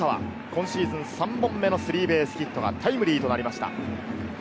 今シーズン３本目のスリーベースヒットはタイムリーとなりました。